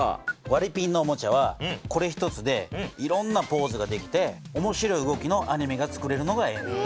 わりピンのおもちゃはこれ１つでいろんなポーズができて面白い動きのアニメがつくれるのがええねん。